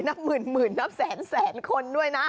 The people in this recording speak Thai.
นับหมื่นนับแสนแสนคนด้วยนะ